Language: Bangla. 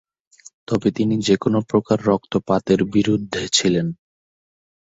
তবে তিনি যেকোন প্রকার রক্তপাতের বিরুদ্ধে ছিলেন।